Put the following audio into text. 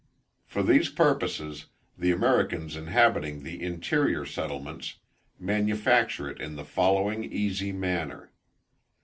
For these purposes, the Americans inhabiting the interior settlements manufacture it in the following easy manner.